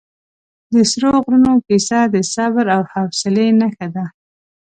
د سرو غرونو کیسه د صبر او حوصلې نښه ده.